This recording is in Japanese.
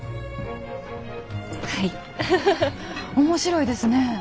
面白いですね。